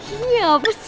iya apa sih